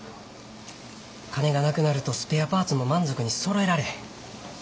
金がなくなるとスペアパーツも満足にそろえられへん。